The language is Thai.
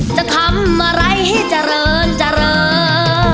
จะทำอะไรให้เจริญเจริญ